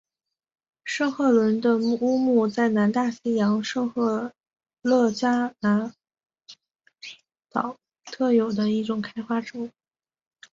圣赫伦那乌木是南大西洋圣赫勒拿岛特有的一种开花植物。